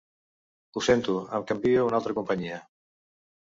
Ho sento, em canvio a una altra companyia.